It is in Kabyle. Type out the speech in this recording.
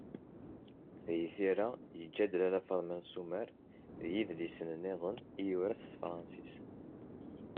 Di tira, yeǧǧa-d: Lalla Fatma n Sumer, d yidlisen-nniḍen i yura s tefransist.